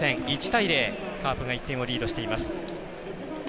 １対０、カープが１点をリードしています。